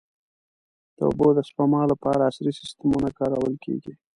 د اوبو د سپما لپاره عصري سیستمونه کارول کېږي.